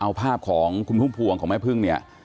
เอาภาพของคุณพุ่มพวงของแม่พึ่งเนี่ย